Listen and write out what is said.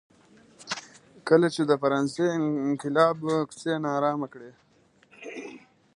کله چې د فرانسې انقلاب کوڅې نا ارامه کړې.